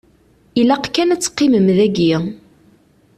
Ilaq kan ad teqqimem daki.